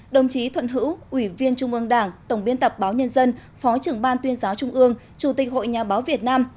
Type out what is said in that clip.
đồng chí thuận hữu ủy viên trung ương đảng tổng biên tập báo nhân dân phó trưởng ban tuyên giáo trung ương chủ tịch hội nhà báo việt nam